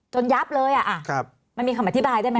ยับเลยอ่ะมันมีคำอธิบายได้ไหม